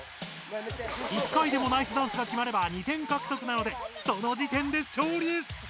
１回でもナイスダンスがきまれば２点獲得なのでそのじてんで勝利です。